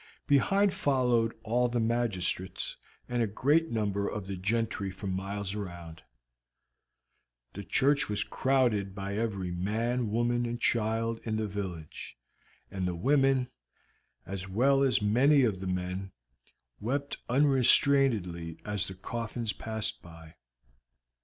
Behind followed all the magistrates and a great number of the gentry for miles round; the churchyard was crowded by every man, woman, and child in the village, and the women, as well as many of the men, wept unrestrainedly as the coffins passed by.